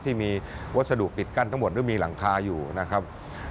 ที่มีวัสดุปิดกั้นทั้งหมดหรือมีหลังคาอยู่นะครับ